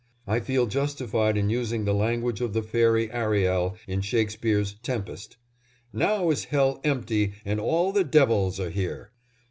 I feel justified in using the language of the fairy Ariel, in Shakespeare's "Tempest": "Now is Hell empty, and all the devils are here."